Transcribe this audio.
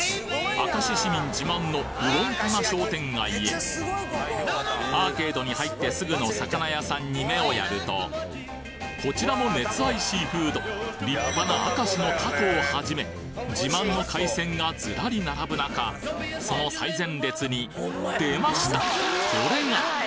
明石市民自慢の魚の棚商店街へアーケードに入ってすぐの魚屋さんに目をやるとこちらも熱愛シーフード立派な明石のタコを始め自慢の海鮮がずらり並ぶ中その最前列に出ましたこれが！